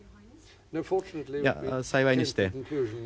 いや幸いにして。